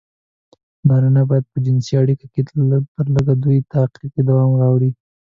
نارينه بايد په جنسي اړيکه کې لږترلږه دوې دقيقې دوام راوړي.